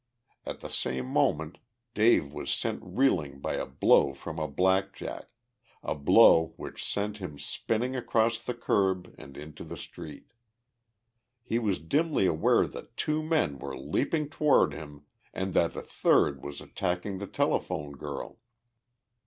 At the same moment Dave was sent reeling by a blow from a blackjack, a blow which sent him spinning across the curb and into the street. He was dimly aware that two men were leaping toward him and that a third was attacking the telephone girl.